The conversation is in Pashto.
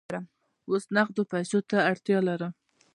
اوس نغدو پیسو ته اړتیا لرم.